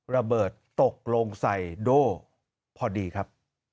ระเบิดตกลงใส่โด่พอดีครับ